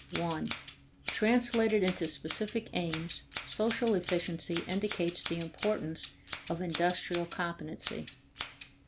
(1) Translated into specific aims, social efficiency indicates the importance of industrial competency.